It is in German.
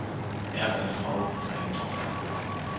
Er hat eine Frau und eine Tochter.